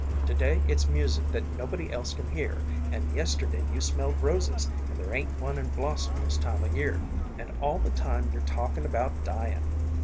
To day it's music that no body else can hear, an' yesterday you smelled roses, and there ain't one in blossom this time o' year, and all the time you're talkin' about dyin'.